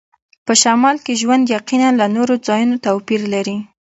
په شمال کې ژوند یقیناً له نورو ځایونو توپیر لري